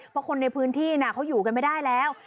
เพราะคนในพื้นที่เขาอยู่กันไม่ได้แล้ว